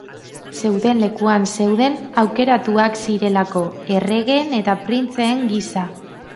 Zeuden lekuan zeuden aukeratuak zirelako, erregeen eta printzeen gisa.